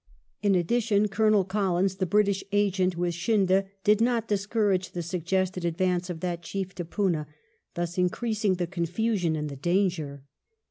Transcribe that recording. In addition Colonel Collins, the British agent with Scindia, did not discourage the suggested advance of that chief to Poona, thus increasing the confusion and the danger.